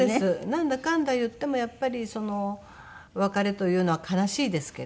なんだかんだ言ってもやっぱり別れというのは悲しいですけど寂しいし。